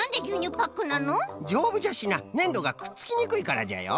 じょうぶじゃしなねんどがくっつきにくいからじゃよ。